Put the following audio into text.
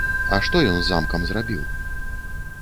А што ён з замкам зрабіў?